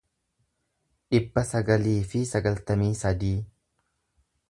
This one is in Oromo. dhibba sagalii fi sagaltamii sadii